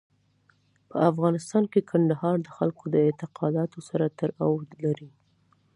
په افغانستان کې کندهار د خلکو د اعتقاداتو سره تړاو لري.